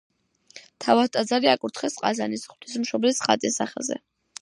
თავად ტაძარი აკურთხეს ყაზანის ღვთისმშობლის ხატის სახელზე.